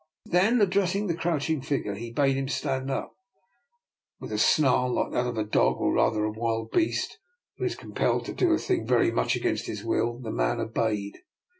Then addressing the crouching figure, he bade him stand up. With a snarl like that of a dog, or rather of a wild beast, who is com pelled to do a thing very much against his will, the man obeyed.